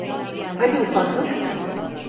Hadi ufaklık.